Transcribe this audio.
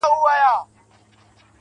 د ژوندون ساز كي ائينه جوړه كړي.